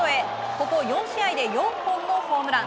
ここ４試合で４本のホームラン。